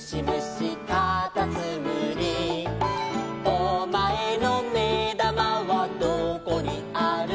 「お前のめだまはどこにある」